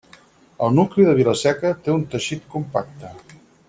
El nucli de Vila-seca té un teixit compacte.